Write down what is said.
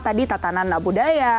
tadi tatanan budaya